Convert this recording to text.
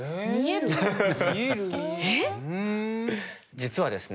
実はですね